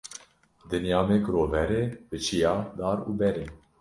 Dinya me girover e bi çiya, dar û ber e.